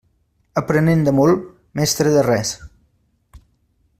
Aprenent de molt, mestre de res.